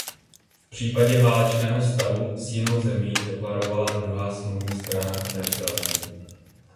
V případě válečného stavu s jinou zemí deklarovala druhá smluvní strana neutralitu.